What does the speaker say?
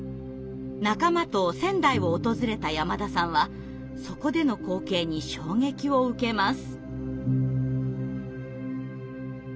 仲間と仙台を訪れた山田さんはそこでの光景に衝撃を受けます。